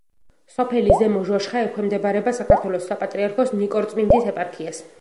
სოფელი ზემო ჟოშხა ექვემდებარება საქართველოს საპატრიარქოს ნიკორწმინდის ეპარქიას.